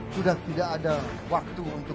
sudah tidak ada waktu untuk